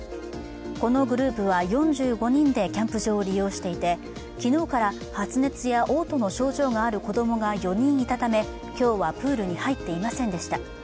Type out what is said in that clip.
このグループは４５人でキャンプ場を利用していて昨日から、発熱やおう吐の症状がある子供が４人いたため今日はプールに入っていませんでした。